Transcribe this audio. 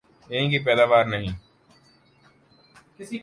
یہیں کی پیداوار نہیں؟